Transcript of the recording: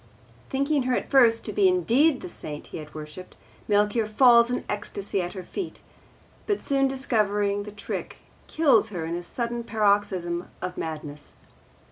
Thinking her at first to be indeed the Saint he had worshipped, Melchior falls in ecstasy at her feet, but soon discovering the trick kills her in a sudden paroxysm of madness.